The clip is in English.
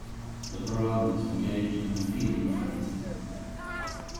The piranhas engaged in a feeding frenzy.